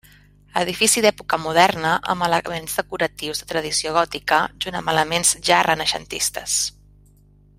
Edifici d'època moderna amb elements decoratius de tradició gòtica junt amb elements ja renaixentistes.